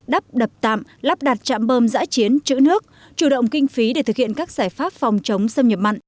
đắp đập tạm lắp đặt chạm bơm giãi chiến chữ nước chủ động kinh phí để thực hiện các giải pháp phòng chống xâm nhập mặn